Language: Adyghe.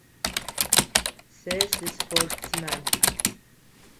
Сэ сыспортсмен.